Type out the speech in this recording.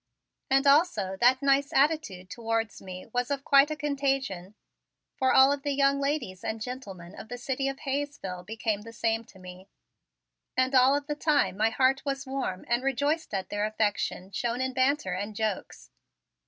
And, also, that nice attitude towards me was of quite a contagion, for all of the young ladies and gentlemen of the city of Hayesville became the same to me and all of the time my heart was warm and rejoiced at their affection shown in banter and jokes.